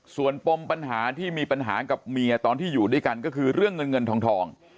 ส่วนปมปัญหาที่มีปัญหากับเมียตอนที่อยู่ด้วยกันก็คือเรื่องเงินเงินทอง